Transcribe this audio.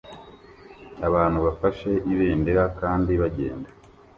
Abantu bafashe ibendera kandi bagenda